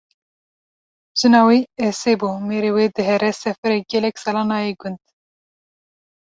Jina wî Esê bû, mêrê wê dihere seferê gelek sala nayê gund